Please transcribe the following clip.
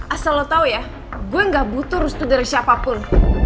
asal lo tau ya gue gak butuh restu dari siapapun